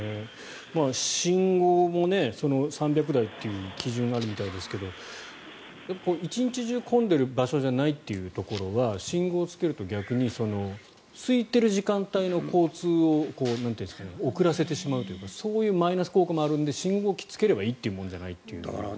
信号も３００台という基準があるみたいですけど１日中混んでる場所じゃないということは信号をつけると逆にすいている時間帯の交通を遅らせてしまうというかそういうマイナス効果もあるので信号機つければいいという問題じゃないと。